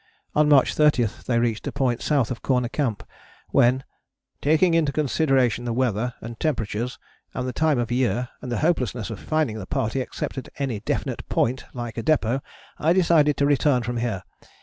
On March 30 they reached a point south of Corner Camp, when "taking into consideration the weather, and temperatures, and the time of the year, and the hopelessness of finding the party except at any definite point like a depôt, I decided to return from here.